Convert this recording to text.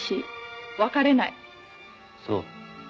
「そう。